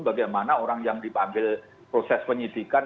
bagaimana orang yang dipanggil proses penyidikan